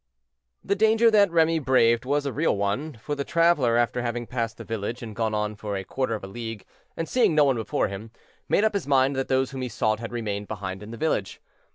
The danger that Remy braved was a real one, for the traveler, after having passed the village and gone on for a quarter of a league, and seeing no one before him, made up his mind that those whom he sought had remained behind in the village.